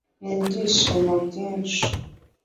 n'ibyishimo byinshi